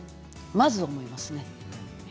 まず思いますね。